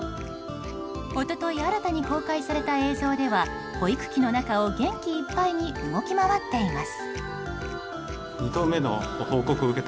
一昨日新たに公開された映像では保育器の中を元気いっぱいに動き回っています。